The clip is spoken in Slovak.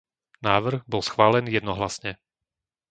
Návrh bol schválený jednohlasne.